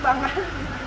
mikir aja bisa terbang